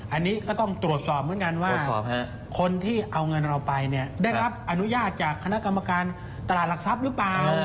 อันนี้ก็ต้องตรวจสอบเหมือนกันว่าคนที่เอาเงินเราไปเนี่ยได้รับอนุญาตจากคณะกรรมการตลาดหลักทรัพย์หรือเปล่า